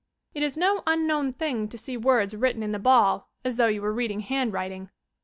It is no unknown thing to see words written in the ball as though you were reading handwriting.